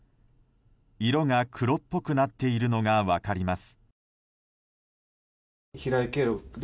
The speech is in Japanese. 色が黒っぽくなっているのが分かります。